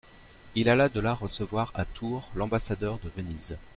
Il alla de là recevoir à Tours l'ambassadeur de Venise.